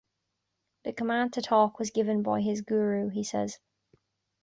The 'command' to talk was given by his Guru, he says.